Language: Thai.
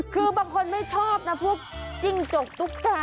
คือบางคนไม่ชอบนะพวกจิ้งจกตุ๊กตา